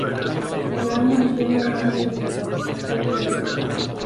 El arma lleva el nombre de su fabricante, Perry.